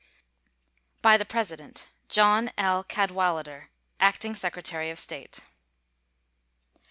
By the President: JOHN L. CADWALADER, Acting Secretary of State.